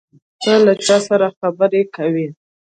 ته له چا سره خبرې کولې؟